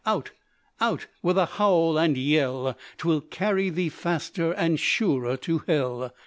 Out, out, with a howl and yell, 'Twill carry thee faster and surer to hell."